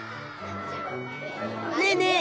ねえねえ